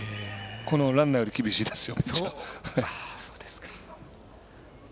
このランナーより厳しいですよ。